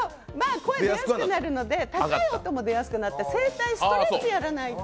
声が出やすくなるので高い声も出やすくなって、声帯ストレッチをやらないと。